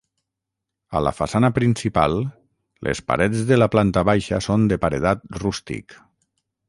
A la façana principal, les parets de la planta baixa són de paredat rústic.